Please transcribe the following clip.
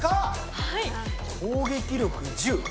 攻撃力１０。